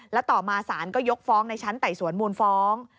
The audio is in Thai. แล้วต่อมาศาลก็ยกฟ้องในชั้นไต่สวนมูลฟ้อง